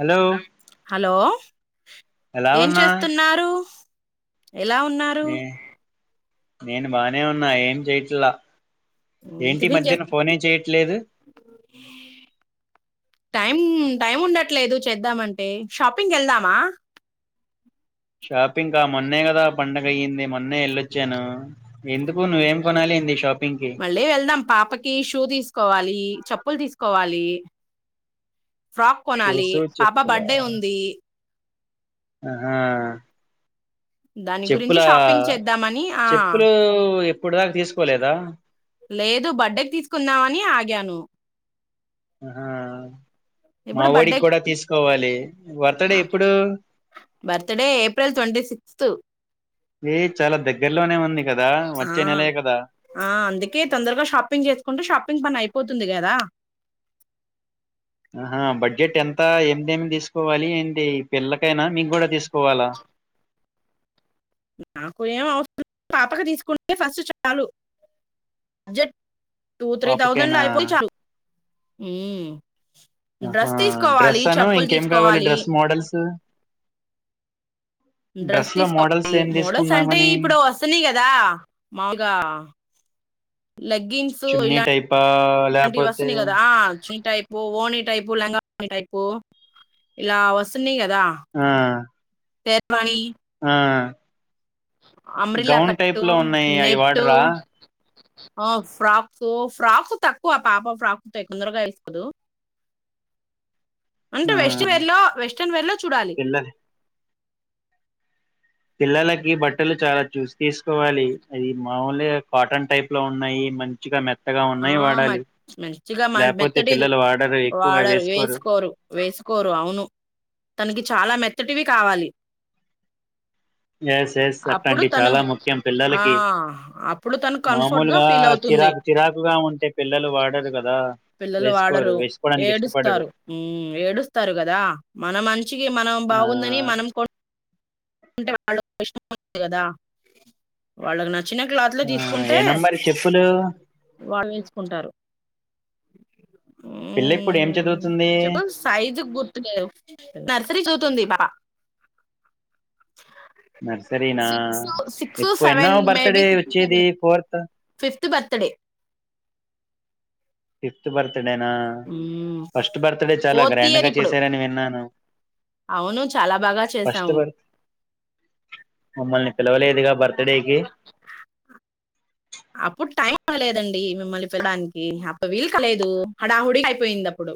Hello hello ఎలా ఏం ఉన్నా చేస్తున్నారు ఎలా ఉన్నారు నే నేను బాగానే ఉన్నా ఏం చేయట్లా ఏంటి ఈ టిఫిన్ మధ్యన చేస్తా ఫోనే చేయట్లేదు టైం టైం ఉండట్లేదు చేద్దామంటే షాపింగ్ వెళ్దామా షాపింగ్ కా మొన్నే కదా పండగ అయ్యింది మొన్నే వెళ్ళొచ్చాను ఊ ఎందుకు నువ్వేం కొనాలి ఏంది షాపింగ్ కి మళ్ళీ వెళ్దాం పాపకి షూ తీసుకోవాలి చెప్పులు తీసుకోవాలి ఫ్రాక్ కొనాలి షూస్ పాప బర్డే ఉంది హా దాని గురించి షాపింగ్ చేద్దామని ఆ చెప్పులు ఎప్పుడు దాకా తీసుకోలేదా లేదు బర్త్డేకి తీసుకుందామని ఆగాను హా మా ఇప్పుడు ఒడికి బర్త్డే కూడా తీసుకోవాలి వార్త్డే ఎప్పుడు బర్త్డే ఏప్రిల్ తొంటి సిక్స్త్ ఏ చాలా దగ్గరలోనే ఉంది కదా ఆ వచ్చే నెలే కదా ఆ అందుకే తొందరగా షాపింగ్ చేసుకుంటే షాపింగ్ పని అయిపోతుంది కదా ఆహా బడ్జెట్ ఎంత ఏంటి ఏంటి తీసుకోవాలి ఏంటి పిల్లకైనా మీకు కూడా తీసుకోవాలా నాకు ఏం అవసరం పాపక తీసుకుంటే ఫస్ట్ చాలు జెట్ టూ త్రీ థౌజండ్లో పాపకైనా అయిపోతే చాలు మ్మ్ ఆహా డ్రెస్ అను ఇంకేం కావాలి తీసుకోవాలి డ్రెస్ మోడల్స్ డ్రెస్ లో మోడల్స్ తీసుకోవాలి ఏం మోడల్స్ అంటే తీసుకుందామని ఇప్పుడు వస్తున్నాయి కదా మాములుగా లెగ్గిన్స్ చున్నీ టైపా ఇలాంటి లేపోతే వస్తున్నాయి కదా టైపు ఓని టైపు లంగా ఓణి టైపు ఇగా వస్తున్నాయి కదా ఆ శర్వానీ ఆ అంబ్రెల్లా గౌన్ టైప్ కట్టు లో ఉన్నాయి అవి నెట్టు వాడరా ఆ ఫ్రాక్స్ ఫ్రాక్స్ తక్కువ పాప ఫ్రాక్స్తో కొందరగా వేసుకోదు అంటే ఆ వెస్ట్ వేర్ లో వెస్ట్రన్ వేర్ లో చూడాలి పిల్ల పిల్లలకి బట్టలు చాలా చూసి తీసుకోవాలి అది మామలుగా కాటన్ టైప్ లో ఉన్నాయి మంచిగా మెత్ ఆ మచ్ మంచిగా మ లేకపోతే మెత్తడిది పిల్లలు వాడరు ఎక్కువగా వాడరు వేసుకోరు వేసుకోరు అవును తనకి చాలా మెత్తటివి కావాలి ఎస్ ఎస్ అప్పుడు అట్టండి తను చాలా ముఖ్యం ఆ పిల్లలకి అప్పుడు తను కంఫర్ట్ గా మామూలుగా ఫీల్ అవుతుంది చిరాకు చిరాక్ పిల్లలు వేసుకోరు వాడరు వేసుకోవడానికి ఇష్టపడరు ఏడుస్తారు మ్మ్ ఏడుస్తారు కదా మన మంచికి మనం ఆ బాగుందని మనం కొన్ అంటే వాళ్ళ యిష్టం ది కదా వాళ్ళకి నచ్ చిన్న క్లాత్లు ఆ తీసుకుంటే ఏనా మరి చెప్పులు వాళ్ళు వేసుకుంటారు పిల్ల ఇప్పుడు ఏం మ్మ్ చదువుతుంది చెప్పుల్ సైజు గుర్తు లేదు నర్సరీ చదువుతుంది పాప నర్సరీ నా సిక్స్ సిక్స్ ఇప్పుడూ సెవెన్ ఎన్నవ బర్తడే వచ్చేది ఫోర్త్ ర్త్ బర్తడే ఫిఫ్త్ పర్ డే నా ఫస్ట్ బర్త్డే చాలా ఫోర్త్ ఇయర్ గ్రాండ్గా ఇప్పుడు చేశారని విన్నాను అవును చాలా బాగా ఫస్ట్ చేసాము బర్త్ మమ్మల్ని పిల్ పిలవలేదుగా బర్త్ డేకి అప్పుడు టైంలేదండి మిమ్మల్ని పిళడానికి అప్పు వీలు క లేదు హడాహుడి అయిపోయింది అప్పుడు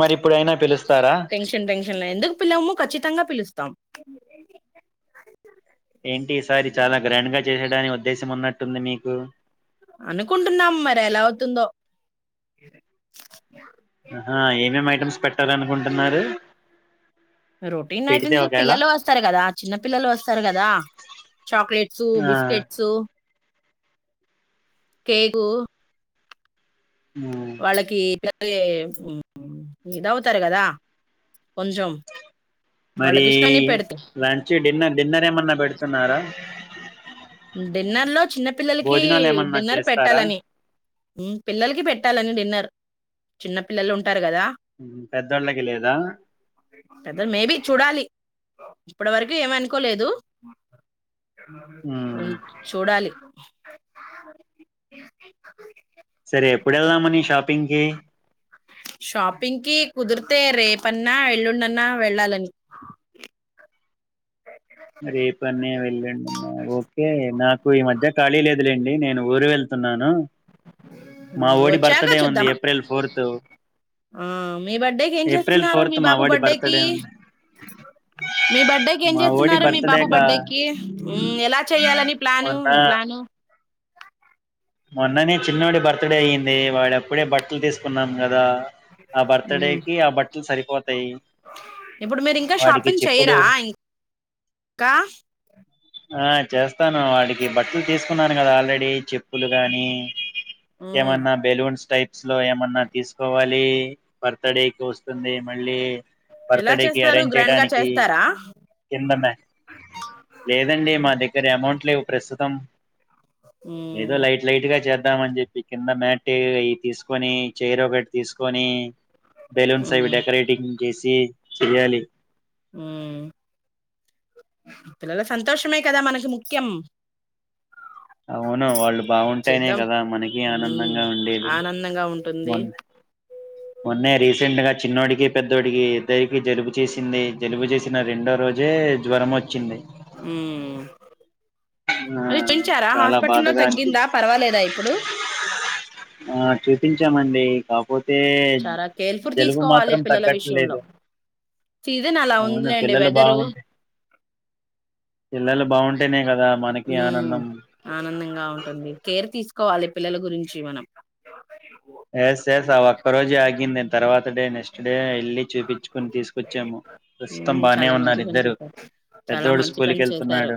మరి ఇప్పుడైనా పిలుస్తారా టెన్షన్ టెన్షన్లా ఎందుకు పిల్లము ఖచ్చితంగా పిలుస్ తమ్ ఏంటి ఈసారి చాలా గ్రండ్ గా చేయడాని ఉద్దేశం ఉన్నట్ కంద మీకు అనుకుంటున్నాం మరి ఎలా అవుతుందో పన్నారు రొటీన్ ఐటమ్స్ పిల్లలు వస్తారు కదా చిన్న పిల్లలు వస్తారు కదా చాక్లెట్స్ ఆ బిస్కెట్స్ కేక్ ఉమ్, వాళ్ళకి ఏ అగే ఇద అవుతారు కదా కొంచెం మరి వాళ్ళకిష్టమని పెడతా లంచ్ డిన్నర్ డిన్నర్ ఏమన్నా పెడుతున్నారా డిన్నర్ లో చిన్న పిల్లలకి భోజనాలు ఏమన్నా డిన్నర్ చేస్తారా పెట్టాలని పిల్లలకి పెట్టాలని డిన్నర్ చిన్న పిల్లలు ఉంట ఉంటారు కదా ఉమ్, పెద్దోళ్ళకి లేదా పెద్ద మేబి చూడాలి ఇప్పటి వరకు ఏమనుకోలేదు ఉమ్, చూడాలి [inaudible] [unintelligible] సరే ఎప్పుడు వెళ్దామని షాపింగ్కి షాపింగ్కి కుదిరితే రేపన్నా వెళ్లుుండ అన్నా వెళ్ళాలని రేపన్న వెళ్ళండి అమ్మా ఓకే నాకు ఈ మధ్య ఖాళీ లేదులేండి నేను ఊరు వెళ్తున్నాను మా ఓడి వచ్చాక బర్త్డే ఉంది చూద్దామా ఏప్రిల్ ఫోర్త్ మీ బర్త్డేకి ఏం ఏప్రిల్ చేస్తున్నారు మీ ఫోర్త్ మా బాబు ఓడి బర్డే క బర్త్డే ఉంది మీ బర్డేకి ఏం మా ఓడి చేస్తున్నారు మీ బాబు కా బర్త్డే కి ఎలా చెయాలని ప్లాను మీ మొన్న ప్లాను మొన్ననే చిన్నోడి బర్త్డే అయ్యింది వాడుెప్పుడే బట్టలు తీసుకున్నాం కదా ఆ బర్త్ డే ఉమ్, కి ఆ బట్టలు సరిపోత ఇప్పుడు మీరు ఇంకా షాపింగ్ చెప్పులు చెయరా ఇం ఇంకా ఆ చేస్త వాడికి బట్టలు తీసుకు న్నాను కదా ఆల్రెడీ చెప్ప అప్పులు గానీ ఉమ్, ఏమన్నా బెలూన్స్ టైప్ లో ఏమన్నా తీసుకోవాలి బర్త్ డేకి వస్తుంది మళ్ళీ బర్త్ ఎలా డేకి చేస్తారు అరేంజ్ గ్రాండ్ గా చేయడానికి చేస్తారా కిందమా్యా లేదండి మా దగ్గర అమౌంట్ లేవు ప్రస్తుతం ఏదో ఉమ్ లైట్ లై గా చేద్ద ద్దామ అని చెప్పి కింద మేట్ అ తీసుకొని చైర ఒకటి తీసుకొని బెలూన్స్ ఉమ్ అవి డెకరేటింగ్ చేసి చేయాలి హ్మ్ పిల్లల సంతోషమే కదా మనకి ముఖ్యం. అవును వాళ్ళు బాగుంటానే చేద్దాం కదా, మనకి ఉమ్ ఆనందంగా ఉండేది. ఆనందంగా ఉంటుంది మొన్ మొన్నే రీసెంట్ గా చిన్నోడ్ అడికి పెద్దోడికి ఇద్దరికి జలుబు చేసింది. జలుబు చేసిన రెండో రోజే జ్వరం వచ్చింది. హ్మ్ ఆ అది చేయిన్చారా చాలా హాస్పిటల్లో బాధగా తగ్గిందా అనిపించి పర్వాలేదా ఇప్పుడు ఆ చూపించామండి కాక్ పోతే చాలా కేర్ఫుల్ జలుబు తీసుకోవాలి మాత్రం పిల్లల విషయంలో తగ్గట్లేదు. సీజన్ అలా అవును ఉందిలేండి పిల్లలు వెదరు బాగుంటే పిల్లలు బాగుంటేనే కదా. మనకి ఆనందం. ఆ ఆనందంగా ఉంటుంది కేర్ తీసుకోవాలి పళ్ళ పిల్లల గురించి మనం ఎస్ ఎస్ అ అక్క రోజి ఆగింద నేన్ తర్వాత డే నెక్స్ట్ డే ఇల్ బానే చాలా మంచి ఉన్నారు పని ఇద్దరు చేశారు చాలా పెద్దోడు మంచి స్కూల్కి పని చేశారు వెళ్తున్నాడు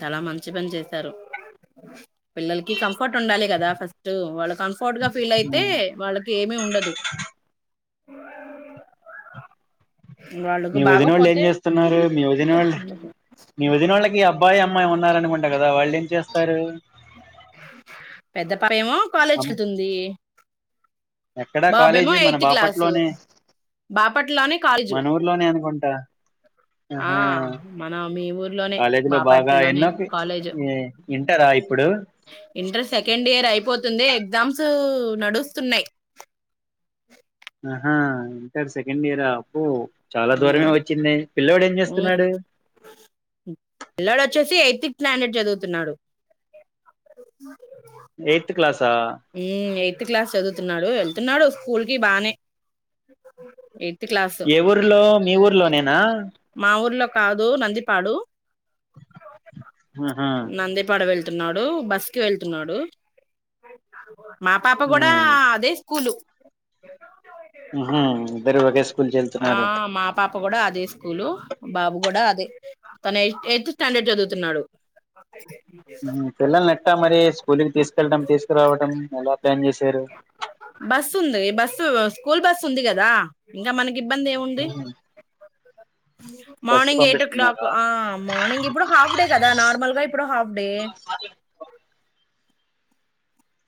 చాలా మంచి పని చేశారు అ [inaudible] పిల్లలకి కంఫర్ట్ ఉండాలి కదా ఫస్ట్ వాళ్ళు కంఫర్ట్ గా ఫీల్ అయితే వాళ్ళకి ఏమిీ ఉండదు వాళ్ళకు మీ వదిన వాళ్ళు ఏం బాగపోతే చేస్తున్నారు ని ళ్ళ దిన వాళ్ళకి అబ్బయి అమ్మాయి ఉారనుంట కా పెద్దపా ఏమో కాలేజ్ వెళ్తుంది ఎక్కడా బాబాేమో కాలేజీ మన ఎయిత్ క్లాసు బాపట్లోనే బాపట్లోనే కాలేజు కొంట ఆ మన మీ ఊర్లోనే కాలేజీ బాపట్లోనే కాలేజ్ ఇంట రాయి ఇంటర్ సెకండ్ ఇయర్ అయిపోతుంది ఎగ్జామ్స్ నడుస్తున్నాయి్ అహా ఇంటర్ సెకండ్ ఇయర పో చాలా దూరమే వచ్చింది పిల్లోడు ఏం చేస్తున్నాడు ప్లానెట్ జదువుతున్నాడు ఎయిత్ క్లాసా హ్మ్ ఎయిత్ క్లాస్ చదువుతున్నాడు వెళ్తున్నాడు కూల్ కి బానే ఇ తి క్లాసు ఏ ఊర్లో మీ ఊర్లోనేనా మా ఊర్లో కాదు నందిపాడు ఆహా నందిపాడు వెళ్ వెతున్నాడు బస్ కి వెళ్తున్నాడు మా పాప కూడా ఉమ్ అదే స్కూ లు ఇద్దరు ఒకే స్కూల్ వెల్ ఆ మా పాప కూడా అదే స్కూలు బాబు కూడా అదే తన ఎయి ఎయిత్ స్టాండర్డ్ చదువుతున్నాడు పిల్లల్ని ఎట్టా మరి స్కూల్కి తీసుకెళ్లటం తీసుకురావటం ఎలా ప్లాన్ చేశారు బస్సు ఉంది బస్సు స్కూల్ బస్ ఉంది కదా ఇంకా మనకి ఇబ్బంది ఏం ఉంది బస్ కి మార్నింగ్ ఎయిట్ ఓ క్లాక్ పంపిస్తున్నారా మార్నింగ్ ఇప్పుడు హఫ్ డే కదా నార్మల్గా ఇప్పుడు హఫ్ డే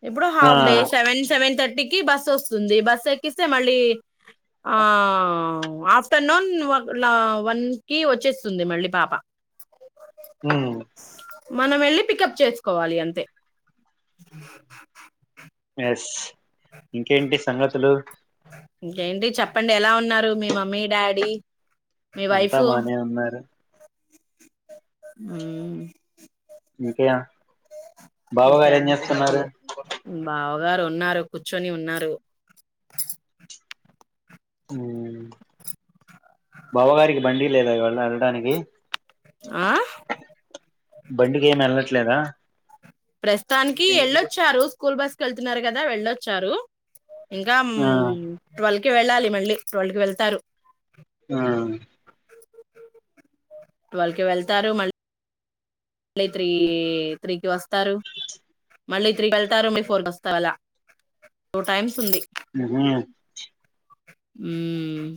ఎప్పుడు ఆ half day seven seven thirty కి బస్ వస్తుంది బస్ ఎక్కిస్తే మళ్ళీ ఆ ఆఫ్టర్నూన్ వన్ కి వచ్చేస్తుంది మళ్ళీ పాప హు మ్ మనం వెళ్ళి పికప్ చేసుకోవాలి అంతే అ ఎస్ ఇంకేంటి సంగతులు ఇంకేంటి చెప్పండి ఎలా ఉన్నారు మీ మమ్మీ డాడీ మీ వైఫ్ అంతా బానే ఉన్నారు ఉమ్ ఇంక ఇంకా చెప్పాలి బావ వారు ఉన్నారు కూర్చొని ఉన్నారు బావగారికి బండి లేదా వెళ్ళటానికి ఆ బండికి ఏమి వెళ్ళట్లేదా ప్రస్తుతానికి ఎళ్ళొచ్చారు స్కూల్ బస్ కు వెళ్తున్నారు కదా వెళ్ళొచ్చారు ఇంకా మ్ ఆ ట్వల్ కి వెళ్ళాలి మళ్ళీ రెండుకి వెళ్తారు ఆహ్ ట్వెల్వ్ కి వెళ్తారు మ ళ్ళీ త్రీ త్రీకి వస్తారు మళ్ళీ త్రీకి వెళ్తారు మళ్ళి ఫోర్ కి వస్తారు అలా టూ టైమ్స్ ఉంది ఉహుం హమ్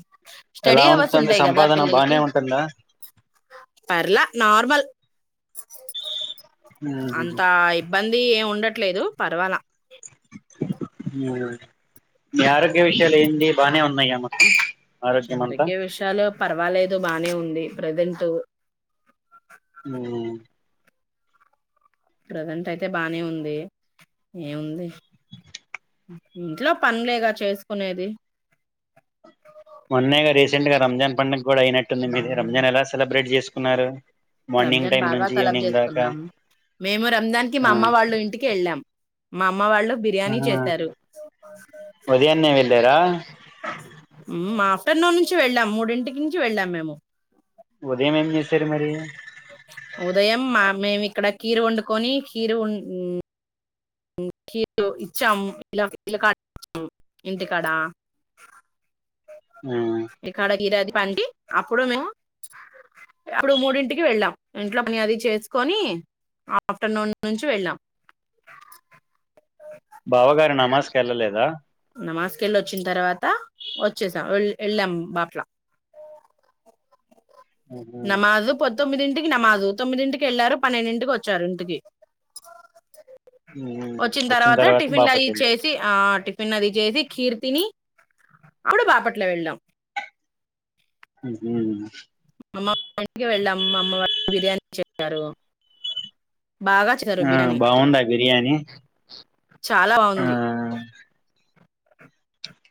ఎలా ఉంటుంది సంపాదన బానే ఉంటుందా పర్ల నార్మల్ ఉహుం అంత ఇబ్బంది ఏం ఉండట్లేదు పర్వల [unintelligible] మీ ఆరోగ్య విషయాల ఏంది బానే ఉన్నాయా మొత్తం ఆరోగ్యం అంతా ఆరోగ్య విషయాలు పర్వాలేద్ బానే ఉంది ప్రెసెంట్ హమ్ ప్రసెంట్ అయితే బానే ఉంది ఏముంది ఇంట్లో పనులేగా చేసుకునేది మొన్నెగా రీసెంట్ గా రంజాన్ పండగ కూడా అయినట్టుంది మీది ఉమ్, రంజాన్ ఎలా సెలబ్రేట్ చేసుకున్నారు మార్నింగ్ రంజాన్ టైం బాగా నుంచి తలబ్ ఈవినింగ్ దాకా చేసుకునమ్ మేము రంజాన్ కి మా ఆ అమ్మ వాళ్ళు ఇంటికి వెళ్ళాం మ అమ్మ వాళ్ళు బిర్యానీ ఆహా చేశారు ఉదయాన్నే వెళ్ళారా హమ్ మా ఆఫ్టర్నూన్ నుంచి వెళ్ళాం మూడింటి నుంచి వెళ్ళాం మేము ఉదయం ఏం చే ఉదయం మా మే అక్కడ కీరు వండుకొని కీరు ఉ కీర్ ఇచ్చాము ఇలకాము ఇచ్చాము ఇంటికాడ మ్మ్ ఇక్కడ గీరాది పండి అప్పుడు మేము అప్పుడు మూడింటికి వెళ్ళాం ఇంట్లో అది చేసుకొని ఆఫ్టర్నూన్ నుంచి వెళ్ళాం బావగారూ నమాజ్ కెల్లలేద నమాజ్ కెళ్ళి వోచ్చిన తర్వాత వచ్చేసాం వఏ వెళ్ళాం అట్లా మ్హూ నమాజు పొంద్ తొమ్మిదింటికి నమాజూ తొమ్మిదింటికి ఎళ్ళారు పన్నెండింటికి వచ్చారు ఇంటికి మ్మ్ వచ్చిన తర్వాత టిఫిన్ బాపట్ల వెళ్ళారు లాగించేసి ఆహ్ టిఫిన్ పన్నది చేసి కీర్ తిని అప్పుడు బాపట్ల వెళ్ళాం హు హు అమ్మంటికి వెళ్ళాం మా అమ్మ వా బిర్యానీ చేశారు బాగా చేశారు ఆ బిర్యానీ బాగుందా బిర్యానీ చాలా ఆ బాగుంది [inaudible]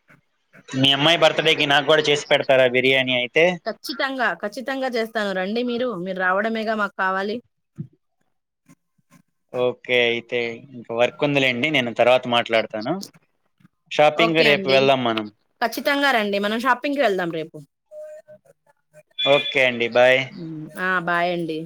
మీ అమ్మాయి బర్తడేకి నాకు కూడా చేసి పెడతారా బిర్యాని ఐ ఖచ్చితంగా ఖచ్చితంగా చేస్తాను రండి మీరు మీరు రావ డమేగా మాకు కావాలి ఓకే అయితే ఇంకా వర్క్ ఉందిలేండి నేను తర్వాత మాట్లాడుతాను ఓకే అండి ఖచ్చితంగా రండి మనం షాపింగ్కి వెళ్దాం రేపు ఓకే అండి బాయ్ ఆ బాయ్ అండి